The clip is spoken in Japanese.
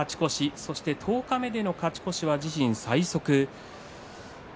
そして十日目での勝ち越しは自身最速。